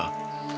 kau tidak bisa